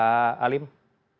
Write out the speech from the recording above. begitu ya pak